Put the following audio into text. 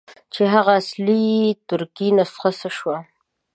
چې هغه اصلي ترکي نسخه څه شوه.